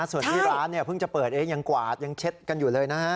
ส่วนที่ร้านเนี่ยเพิ่งจะเปิดเองยังกวาดยังเช็ดกันอยู่เลยนะฮะ